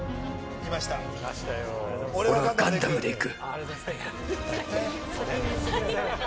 俺はガンダムで行く！